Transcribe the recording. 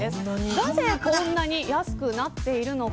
なぜこんなに安くなっているのか。